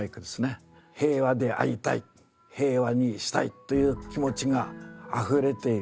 平和でありたい平和にしたいという気持ちがあふれている。